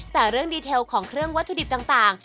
แต่เรื่องดีเทลของเครื่องวัตถุดิบต่าง